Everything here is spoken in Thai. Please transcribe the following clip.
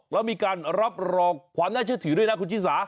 แล้วมีการรับรองความน่าเชื่อถือด้วยนะคุณชิสา